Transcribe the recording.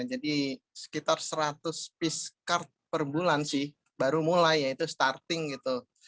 jadi sekitar seratus piece card per bulan sih baru mulai itu starting gitu